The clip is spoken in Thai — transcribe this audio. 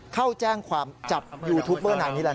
เข้าแจ้งความจับยูทูปเบอร์นายนี้แล้วนะ